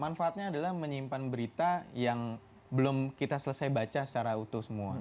manfaatnya adalah menyimpan berita yang belum kita selesai baca secara utuh semua